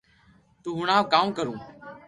تو ھڻاو ڪاوُ ڪارو